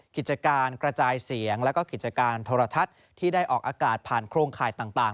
กิจการกระจายเสียงแล้วก็กิจการโทรทัศน์ที่ได้ออกอากาศผ่านโครงข่ายต่าง